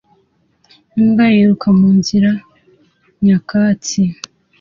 Imbwa yiruka munzira nyakatsi